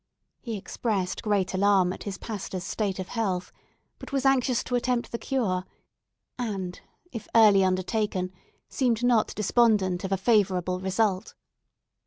He expressed great alarm at his pastor's state of health, but was anxious to attempt the cure, and, if early undertaken, seemed not despondent of a favourable result.